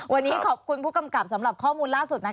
วันนี้ขอบคุณผู้กำกับสำหรับข้อมูลล่าสุด